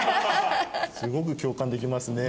すごく共感できますね。